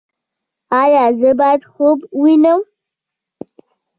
ایا زه باید خوب ووینم؟